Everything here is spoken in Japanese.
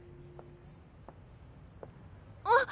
あっ！